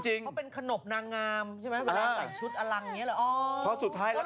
เขาเป็นขนบนางงามใช่ไหมเวลาใส่ชุดอลังอย่างนี้เหรอ